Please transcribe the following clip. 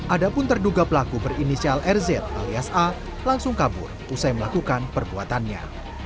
ada pun terduga pelaku berinisial rz alias a langsung kabur usai melakukan perbuatannya